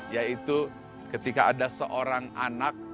yaitu ketika ada seorang anak